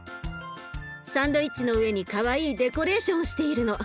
サンドイッチの上にかわいいデコレーションをしているの。